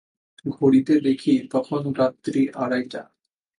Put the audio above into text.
ঘড়িতে দেখি, তখন রাত্রি আড়াইটা।